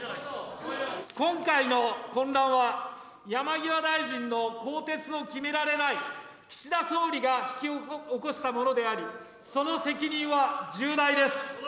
今回の混乱は、山際大臣の更迭を決められない岸田総理が引き起こしたものであり、その責任は重大です。